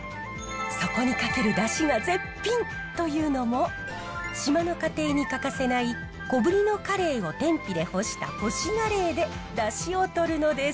そこにかけるダシが絶品！というのも島の家庭に欠かせない小ぶりのカレイを天日で干した干しガレイでダシをとるのです。